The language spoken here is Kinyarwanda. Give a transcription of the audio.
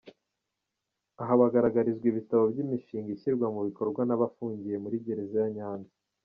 Aha bagaragarizwaga ibitabo by’imishinga ishyirwa mu bikorwa n’abafungiye muri gereza ya Nyanza.